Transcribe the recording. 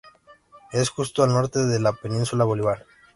Es justo al norte de la Península Bolívar.